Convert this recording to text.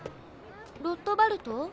ロットバルト？